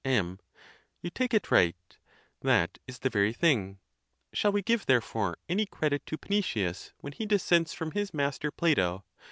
M. You take it right; that is the very thing. Shall we give, therefore, any credit to Panetius, when he dissents from his master, Plato?